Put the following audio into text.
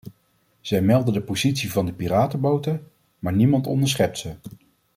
Zij melden de positie van de piratenboten, maar niemand onderschept ze.